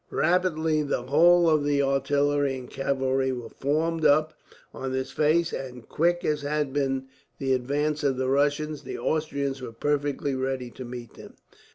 Rapidly the whole of the artillery and cavalry were formed up on this face and, quick as had been the advance of the Prussians, the Austrians were perfectly ready to meet them.